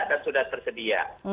dan sudah tersedia